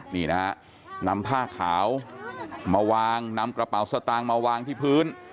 นี่นะฮะนำผ้าขาวมาวางนำกระเป๋าสตางค์มาวางที่พื้น